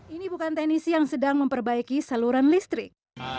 ini bukan teknisi yang sedang memperbaiki saluran listrik